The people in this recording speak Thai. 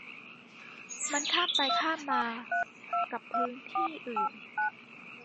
มันข้ามไปข้ามมากับพื้นที่อื่น